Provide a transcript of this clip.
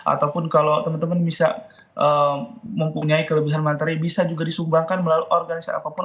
ataupun kalau teman teman bisa mempunyai kelebihan materi bisa juga disumbangkan melalui organisasi apapun